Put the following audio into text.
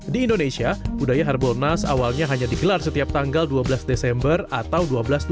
di indonesia budaya harbolnas awalnya hanya digelar setiap tanggal dua belas desember atau dua belas dua ribu